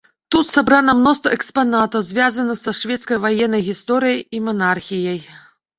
Тут сабрана мноства экспанатаў, звязаных са шведскай ваеннай гісторыяй і манархіяй.